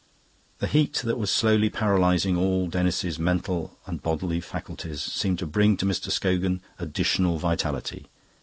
The heat that was slowly paralysing all Denis's mental and bodily faculties, seemed to bring to Mr. Scogan additional vitality.